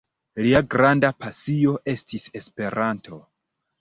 Lia granda pasio estis Esperanto.